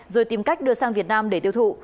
rồi tìm cách đưa sang việt nam để tiêu thụ